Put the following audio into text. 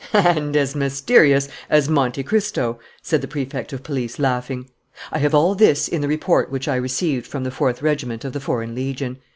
"And as mysterious as Monte Cristo," said the Prefect of Police, laughing. "I have all this in the report which I received from the Fourth Regiment of the Foreign Legion.